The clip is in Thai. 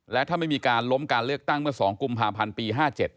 และถ้าไม่มีการล้มการเลือกตั้งเมื่อ๒กุมภาพันธ์ปี๕๗